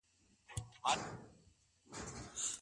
له دغسي ناوړه دوستيو څخه بايد ځان وساتئ.